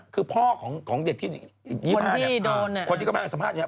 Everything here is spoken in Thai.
คือพ่อของเด็กที่๒๕คนที่กำลังสัมภาษณ์นี้